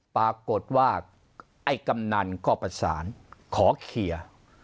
ปรากฏว่าไอ้กำนันก็ประสานขอเคลียร์